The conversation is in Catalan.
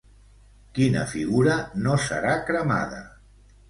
Quina figurà no serà cremada?